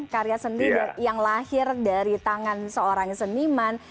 karya seni yang lahir dari tangan seorang seniman